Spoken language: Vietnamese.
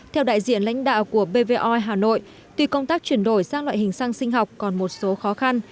theo đại diện lãnh đạo của pv oil hà nội tùy công tác chuyển đổi sang loại hình xăng sinh học còn một số khó khăn